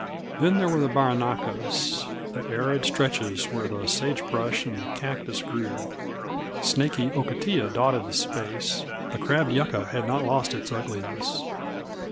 Then there were the barrancas, the arid stretches where the sage brush and the cactus grew. Snaky octilla dotted the space; the crabbed yucca had not lost its ugliness.